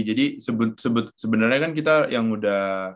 jadi sebenernya kan kita yang udah